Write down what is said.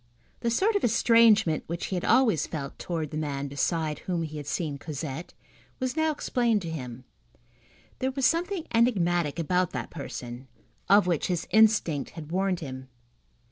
The sort of estrangement which he had always felt towards the man beside whom he had seen Cosette, was now explained to him. There was something enigmatic about that person, of which his instinct had warned him.